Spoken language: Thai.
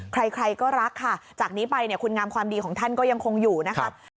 ใครก็รักค่ะจากนี้ไปเนี่ยคุณงามความดีของท่านก็ยังคงอยู่นะครับ